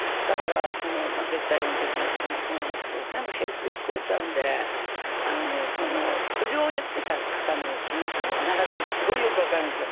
絶対音というところもそうですが全部ヘルツで聞こえちゃうので苦情を言っていた方の気持ちもすごくよく分かるんです。